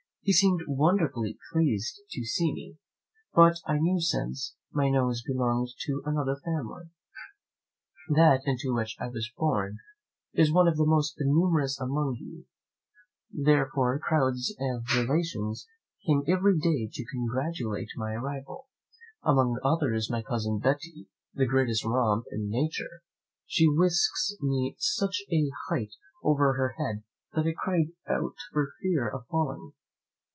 He seemed wonderfully pleased to see me; but I knew since, my nose belonged to another family. That into which I was born is one of the most numerous amongst you; therefore crowds of relations came every day to congratulate my arrival; among others my cousin Betty, the greatest romp in nature; she whisks me such a height over her head that I cried out for fear of falling.